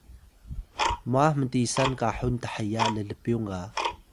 mwah mtisan kahun theya llpyung ga